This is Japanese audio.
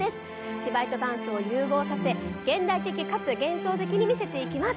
芝居とダンスを融合させ現代的かつ幻想的にみせていきます